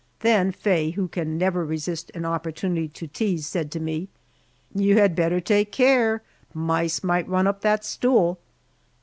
Then Faye, who can never resist an opportunity to tease, said to me, "You had better take care, mice might run up that stool!"